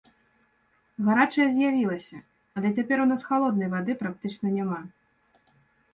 Гарачая з'явілася, але цяпер у нас халоднай вады практычна няма.